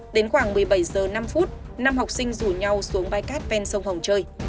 đến khoảng một mươi bảy h năm năm học sinh rủ nhau xuống bãi cát ven sông hồng trời